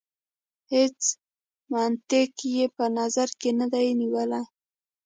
هیڅ منطق یې په نظر کې نه دی نیولی.